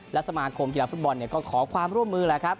และสมาคมกีฬาฟุตบอลก็ขอความร่วมมือแหละครับ